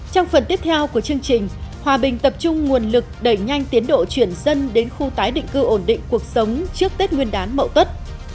trong phần tiếp theo của chương trình hòa bình tập trung nguồn lực đẩy nhanh tiến độ chuyển dân đến khu tái định cư ổn định cuộc sống trước tết nguyên đán mậu tuất